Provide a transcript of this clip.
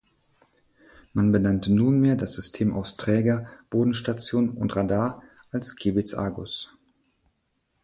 Man benannte nunmehr das System aus Träger, Bodenstation und Radar als Kiebitz-Argus.